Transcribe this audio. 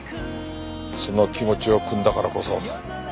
その気持ちをくんだからこそ。